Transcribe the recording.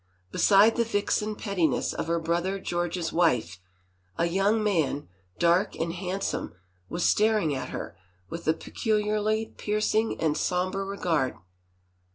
Beside the vixen pettiness of her brother George's wife a young man^ dark and handsome, was staring at her with a peculiarly piercing and somber regard.